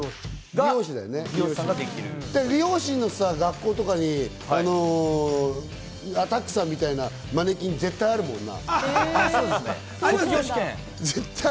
美容師の学校とかにアタックさんみたいなマネキン、絶対あるもんな。